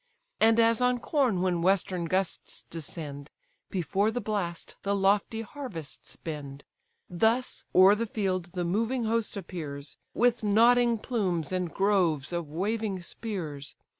And as on corn when western gusts descend, Before the blast the lofty harvests bend: Thus o'er the field the moving host appears, With nodding plumes and groves of waving spears.